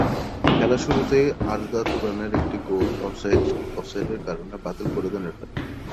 খেলার শুরুতেই আরদা তুরানের একটি গোল অফসাইডের কারণে বাতিল করে দেন রেফারি।